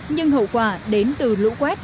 nhưng hậu quả đến từ lũ quét